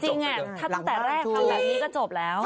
จริงถ้าตั้งแต่แรกทำแบบนี้ก็จบแล้ว